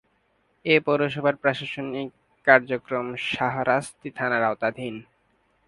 এ পৌরসভার প্রশাসনিক কার্যক্রম শাহরাস্তি থানার আওতাধীন।